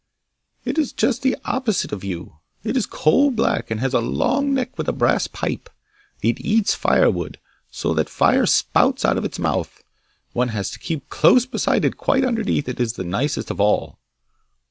'It is just the opposite of you! It is coal black, and has a long neck with a brass pipe. It eats firewood, so that fire spouts out of its mouth. One has to keep close beside it quite underneath is the nicest of all.